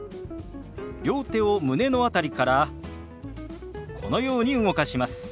両手を胸の辺りからこのように動かします。